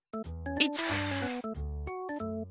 １！